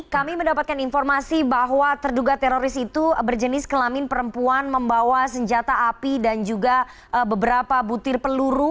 kami mendapatkan informasi bahwa terduga teroris itu berjenis kelamin perempuan membawa senjata api dan juga beberapa butir peluru